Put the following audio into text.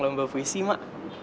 lomba puisi mak